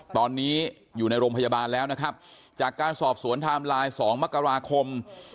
ตอนนี้อยู่ในโรงพยาบาลแล้วนะครับจากการสอบสวนไทม์ไลน์๒มกราคม